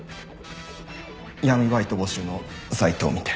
闇バイト募集のサイトを見て。